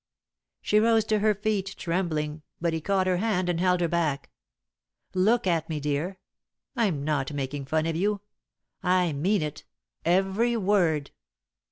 She rose to her feet, trembling, but he caught her hand and held her back. "Look at me, dear. I'm not making fun of you. I mean it every word."